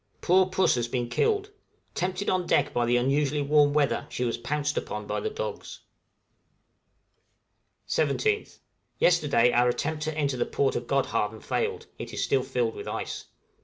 Poor puss has been killed; tempted on deck by the unusually warm weather, she was pounced upon by the dogs. {DANISH HOSPITALITY.} 17th. Yesterday our attempt to enter the port of Godhavn failed, it is still filled with ice.